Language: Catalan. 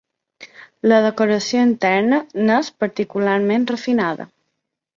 La decoració interna n'és particularment refinada.